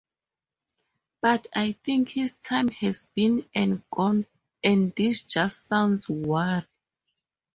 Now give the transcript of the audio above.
But I think his time has been and gone, and this just sounds weary.